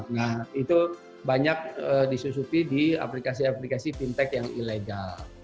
nah itu banyak disusupi di aplikasi aplikasi fintech yang ilegal